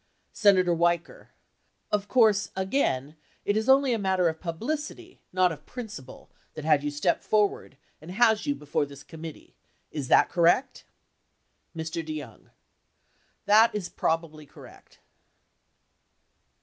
Senator Weicker. Of course, again, it is only a matter of publicity, not of principle, that had you step forward and has you before this committee, is that correct ? Mr. DeYoung. That is probably correct.